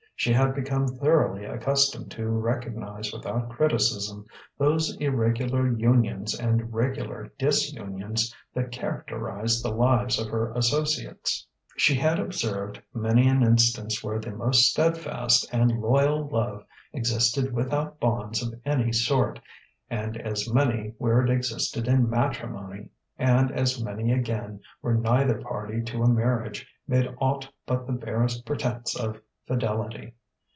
She had become thoroughly accustomed to recognize without criticism those irregular unions and regular disunions that characterized the lives of her associates. She had observed many an instance where the most steadfast and loyal love existed without bonds of any sort, and as many where it existed in matrimony, and as many again where neither party to a marriage made aught but the barest pretence of fidelity.